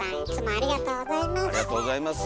ありがとうございます！